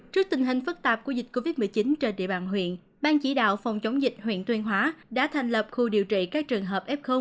trước tình hình phức tạp của dịch covid một mươi chín trên địa bàn huyện ban chỉ đạo phòng chống dịch huyện tuyên hóa đã thành lập khu điều trị các trường hợp f